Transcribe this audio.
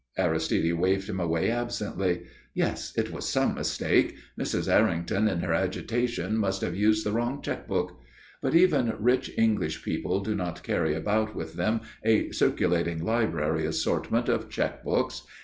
_" Aristide waved him away absently. Yes, it was some mistake. Mrs. Errington in her agitation must have used the wrong cheque book. But even rich English people do not carry about with them a circulating library assortment of cheque books.